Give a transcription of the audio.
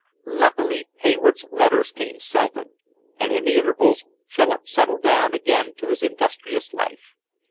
Luckily Hayward's letters came seldom, and in the intervals Philip settled down again to his industrious life.